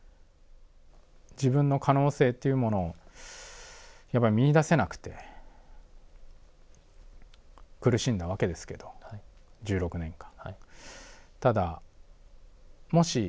自分の可能性っていうものをやっぱり見いだせなくて苦しんだわけですけど１６年間。